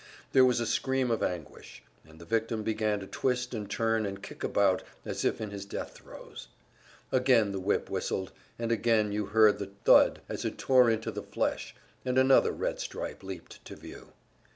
There was a scream of anguish, and the victim began to twist and turn and kick about as if in his death throes. Again the whip whistled, and again you heard the thud as it tore into the flesh, and another red stripe leaped to view.